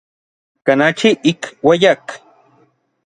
Kanachi ik ueyak.